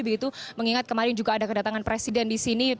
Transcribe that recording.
begitu mengingat kemarin juga ada kedatangan presiden di sini